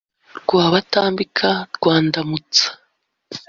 Rwabatambika rwa Ndamutsa